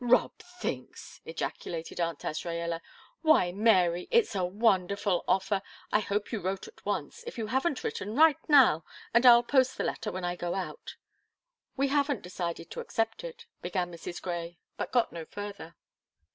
"Rob thinks!" ejaculated Aunt Azraella. "Why, Mary, it's a wonderful offer! I hope you wrote at once! If you haven't written, write now, and I'll post the letter when I go out." "We haven't decided to accept it," began Mrs. Grey, but got no further.